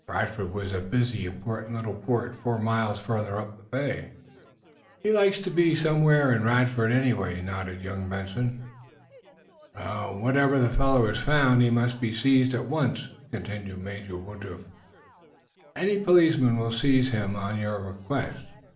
Radford was the busy, important little port four miles farther up the bay. "He's likely to be somewhere in Radford, anyway," nodded young Benson. "Wherever the fellow is found, he must be seized at once," continued Major Woodruff, warmly. "Any policeman will seize him on your request.